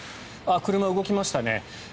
車が動きましたね。